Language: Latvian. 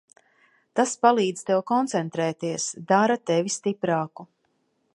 Tās palīdz tev koncentrēties, dara tevi stiprāku.